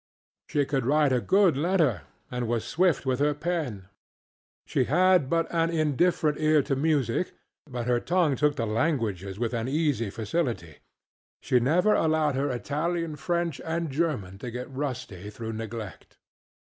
She could write a good letter, and was swift with her pen. She had but an indifferent ear for music, but her tongue took to languages with an easy facility. She never allowed her Italian, French, and German to get rusty through neglect.